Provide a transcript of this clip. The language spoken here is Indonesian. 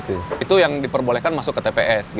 itu yang diperbolehkan masuk ke tps